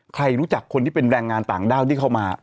ใครรู้จักคนที่เป็นแรงงานต่างด้าวที่เข้ามา